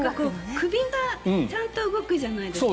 首がちゃんと動くじゃないですか。